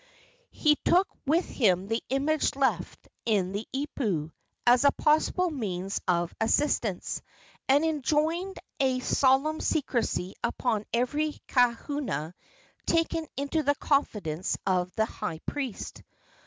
He took with him the image left in the ipu, as a possible means of assistance, and enjoined a solemn secrecy upon every kahuna taken into the confidence of the high priest.